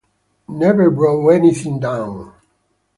Never wrote anything down.